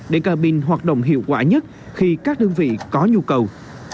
để cabin hoạt động hiệu quả nhất khi các đơn vị có nhu cầu